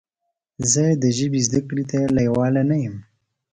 زه د ژبې زده کړې ته لیواله نه یم.